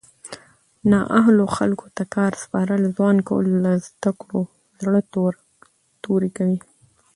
نااهلو خلکو ته کار سپارل ځوان کهول له زده کړو زړه توری کوي